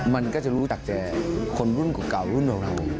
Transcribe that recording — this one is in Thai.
มันก็จะรู้จักแก่คนรุ่นเก่ารุ่นเรา